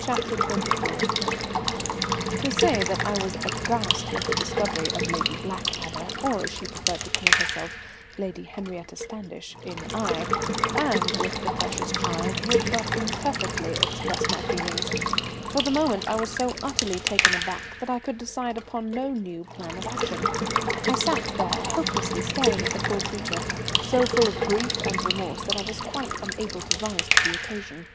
CHAPTER XXIV. To say that I was aghast at the discovery of Lady Blackadder, or, as she preferred to call herself, Lady Henriette Standish, in Aix, and with the precious child, would but imperfectly express my feelings. For the moment I was so utterly taken aback that I could decide upon no new plan of action. I sat there helplessly staring at the poor creature, so full of grief and remorse that I was quite unable to rise to the occasion.